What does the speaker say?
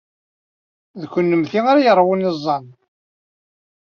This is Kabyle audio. D kennemti ara yeṛwun iẓẓan.